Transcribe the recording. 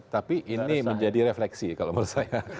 tapi ini menjadi refleksi kalau menurut saya